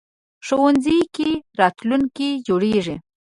ښوونځی کې راتلونکی جوړېږي